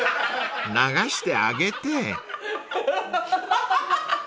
［流してあげて］